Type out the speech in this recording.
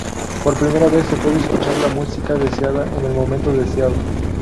Por primera vez, se puede escuchar la música deseada en el momento deseado.